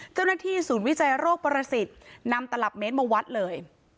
เจ้าหน้าที่ศูนย์วิจัยโรคประสิทธิ์นำตลับเมตรมาวัดเลย